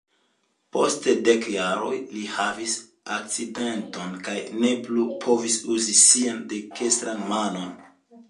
Post dek jaroj li havis akcidenton kaj ne plu povis uzi sian dekstran manon.